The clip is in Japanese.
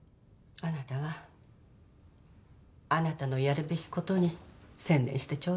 あなたはあなたのやるべきことに専念してちょうだい。